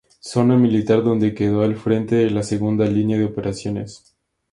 Zona Militar donde quedó al frente de la segunda línea de operaciones.